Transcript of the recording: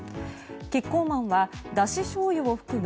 キッコーマンはだししょうゆを含む